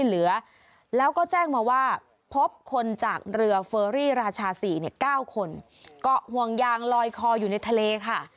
เรือเฟอรี่ราชา๔เนี่ย๙คนก็ห่วงยางลอยคออยู่ในทะเลค่ะ